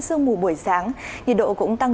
sương mù buổi sáng nhiệt độ cũng tăng